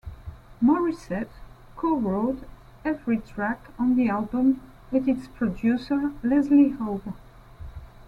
Morissette co-wrote every track on the album with its producer, Leslie Howe.